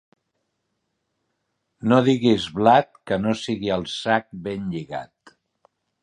No diguis blat que no sigui al sac ben lligat